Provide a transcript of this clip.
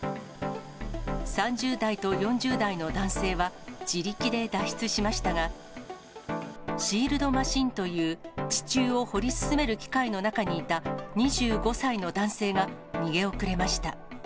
３０代と４０代の男性は自力で脱出しましたが、シールドマシンという地中を掘り進める機械の中にいた２５歳の男性が、逃げ遅れました。